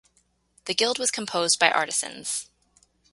The guild was composed by artisans.